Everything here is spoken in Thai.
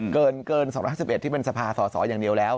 เกิน๒๑๑ที่เป็นสภาสอสออย่างเดียวแล้ว